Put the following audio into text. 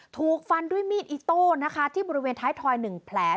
ถูกฟันด้วยมีดอิโต้นะคะที่บริเวณท้ายทอย๑แผล